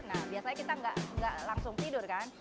nah biasanya kita nggak langsung tidur kan